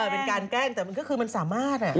เป็นการแกล้งแต่มันก็คือมันสามารถ